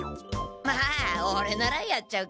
まあオレならやっちゃうけど。